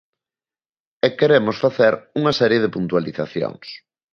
E queremos facer unha serie de puntualizacións.